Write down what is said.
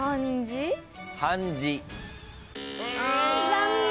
残念。